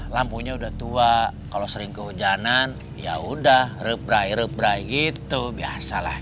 lampunya udah tua kalau sering kehujanan yaudah reprai reprai gitu biasalah